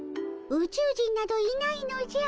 ウチュウ人などいないのじゃ。